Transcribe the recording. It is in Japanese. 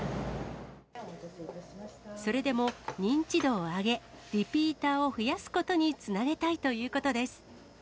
それでも、認知度を上げ、リピーターを増やすことにつなげたいということです。